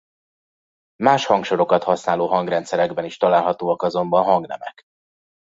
Más hangsorokat használó hangrendszerekben is találhatóak azonban hangnemek.